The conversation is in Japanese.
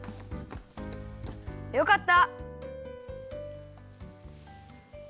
よかった。